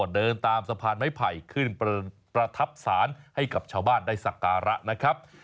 เดินตามสะพานไม้ไผ่ขึ้นประทับศาลให้กับชาวบ้านได้สักการะนะครับ